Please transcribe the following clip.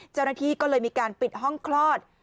เจ้าหน้าที่ก็เลยมีการปิดห้องคลอด